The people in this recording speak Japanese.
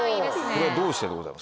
これはどうしてでございますか？